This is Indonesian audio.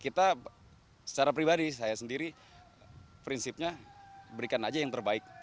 kita secara pribadi saya sendiri prinsipnya berikan aja yang terbaik